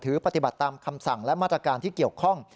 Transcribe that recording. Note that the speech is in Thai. ปฏิบัติตามคำสั่งและมาตรการที่เกี่ยวข้อง